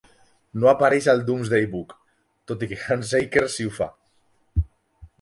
No apareix al "Domesday Book", tot i que Handsacre sí ho fa.